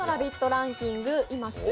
ランキングです。